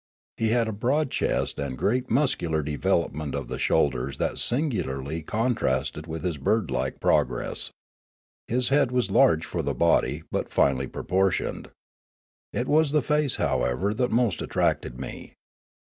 He had a broad chest and great muscular development of the shoulders that singularly contrasted with his bird like progress. His head was large for the body, but finely proportioned. It was the face, however, that most attracted me.